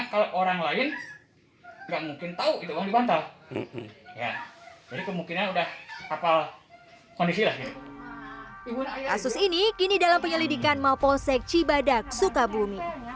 kasus ini kini dalam penyelidikan mapolsek cibadak sukabumi